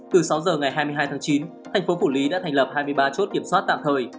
từ sáu giờ ngày hai mươi hai tháng chín thành phố phủ lý đã thành lập hai mươi ba chốt kiểm soát tạm thời